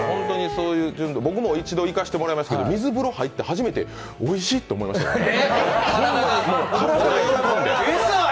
僕も一度行かせてもらいましたけど水風呂入って初めて「おいしい」と思いましたもん、体が喜んで。